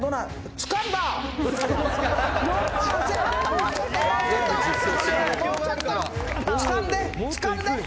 つかんで！」